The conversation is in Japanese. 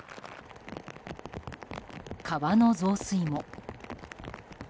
川の増水も。